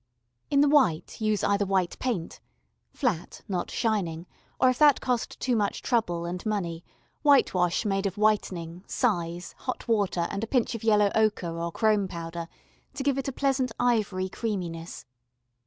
In the white use either white paint flat, not shining, or if that cost too much trouble and money, whitewash made of whitening, size, hot water and a pinch of yellow ochre or chrome powder to give it a pleasant ivory creaminess.